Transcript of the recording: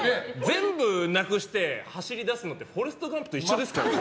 全部なくして走り出すのってフォレストガンプと一緒ですよ。